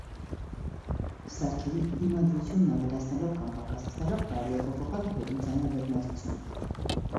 Սարքերի դիմադրությունն ավելացնելով կամ պակասեցնելով կարելի է փոփոխել հոդի ծանրաբեռնվածությունը։